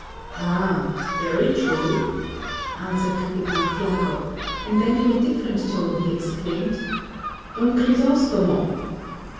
"Ah, very true," answered Capitan Tiago, and then in a different tone he exclaimed, "Don Crisostomo!"